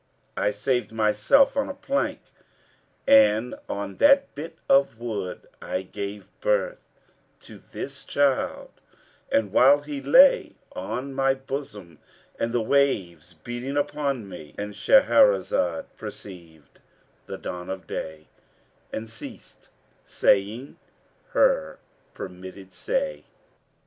I saved myself on a plank; and, on that bit of wood, I gave birth to this child; and while he lay on my bosom and the waves beating upon me,'"—And Shahrazad perceived the dawn of day and ceased saying her permitted say.